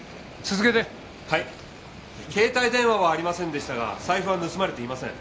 携帯電話はありませんでしたが財布は盗まれていません。